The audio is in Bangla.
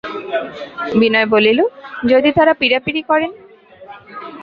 বিনয় বলিল, যদি তাঁরা পীড়াপীড়ি করেন?